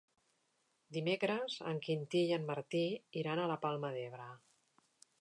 Dimecres en Quintí i en Martí iran a la Palma d'Ebre.